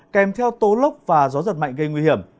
kèm theo tố lốc và gió giật mạnh gây nguy hiểm